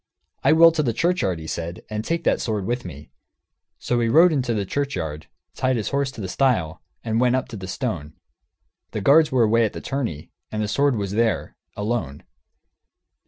"I will to the churchyard," he said, "and take that sword with me." So he rode into the churchyard, tied his horse to the stile, and went up to the stone. The guards were away to the tourney, and the sword was there, alone.